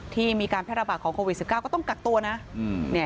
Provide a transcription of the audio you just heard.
ที่มีการแพร่ระบาดของโควิด๑๙ก็ต้องกักตัวนะ